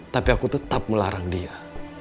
tapi aku tetap melarang dia